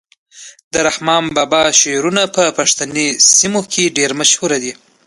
د رحمان بابا شعرونه په پښتني سیمو کي ډیر مشهور دي.